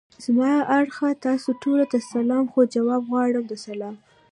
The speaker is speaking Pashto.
زما له اړخه تاسو ټولو ته سلام خو! جواب غواړم د سلام.